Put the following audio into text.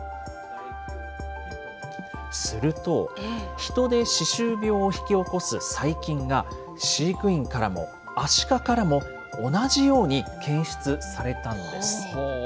すると、人で歯周病を引き起こす細菌が、飼育員からもアシカからも、同じように検出されたんです。